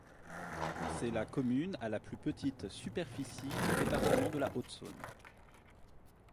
C'est la commune à la plus petite superficie du département de la Haute-Saône.